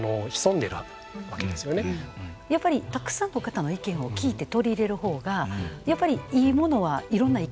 やっぱりたくさんの方の意見を聞いて取り入れる方がやっぱりいいものはいろんな意見